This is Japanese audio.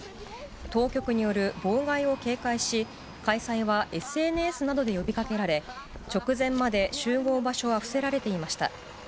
当局による妨害を警戒し、開催はＳＮＳなどで呼びかけられ、直前まで集合場所は伏せられていました。